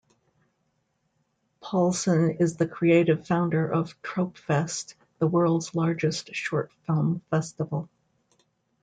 Polson is the creative founder of Tropfest, the world's largest short film festival.